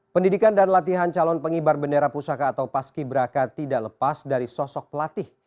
pendidikan dan latihan calon pengibar bendera pusaka atau paski braka tidak lepas dari sosok pelatih